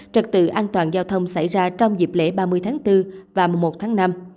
trật tự an toàn giao thông xảy ra trong dịp lễ ba mươi tháng bốn và một tháng năm